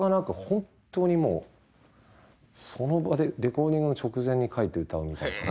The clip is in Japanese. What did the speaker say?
本当にもうその場でレコーディングの直前に書いて歌うみたいな。